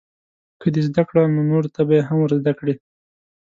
که دې زده کړه نو نورو ته به یې هم ورزده کړې.